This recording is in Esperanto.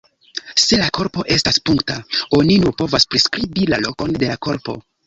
Se la korpo estas punkta, oni nur povas priskribi la lokon de la korpo.